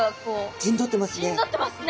陣取ってますね。